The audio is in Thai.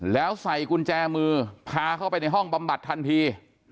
แล้วใส่กุญแจมือพาเข้าไปในห้องบำบัดทันที